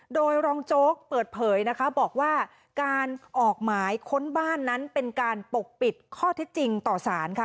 โดยรองโจ๊กเปิดเผยนะคะบอกว่าการออกหมายค้นบ้านนั้นเป็นการปกปิดข้อเท็จจริงต่อสารค่ะ